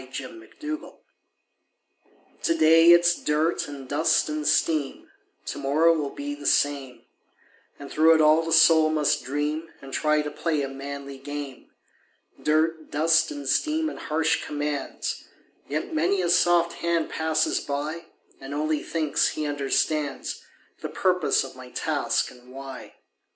THE WORKMAN'S DREAM To day it's dirt and dust and steam, To morrow it will be the same, And through it all the soul must dream And try to play a manly game; Dirt, dust and steam and harsh commands, Yet many a soft hand passes by And only thinks he understands The purpose of my task and why.